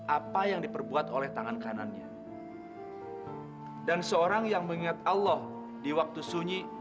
apa yang diperbuat oleh tangan kanannya dan seorang yang mengingat allah di waktu sunyi